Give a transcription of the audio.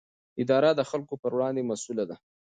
اداره د خلکو پر وړاندې مسووله ده.